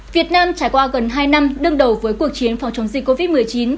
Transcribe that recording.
việt nam trải qua gần hai năm đương đầu với cuộc chiến phòng chống dịch covid một mươi chín